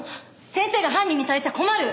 先生が犯人にされちゃ困る！